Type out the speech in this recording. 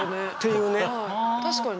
確かに。